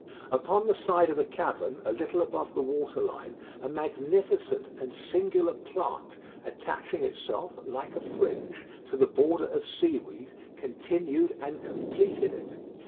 Upon the side of the cavern, a little above the water line, a magnificent and singular plant, attaching itself, like a fringe, to the border of seaweed, continued and completed it.